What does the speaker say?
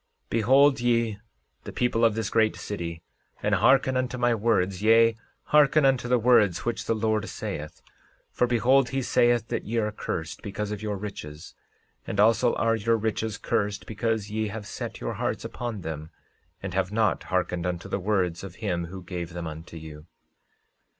13:21 Behold ye, the people of this great city, and hearken unto my words; yea, hearken unto the words which the Lord saith; for behold, he saith that ye are cursed because of your riches, and also are your riches cursed because ye have set your hearts upon them, and have not hearkened unto the words of him who gave them unto you.